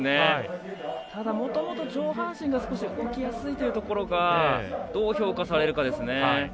ただ、もともと上半身が動きやすいというところがどう評価されるかですね。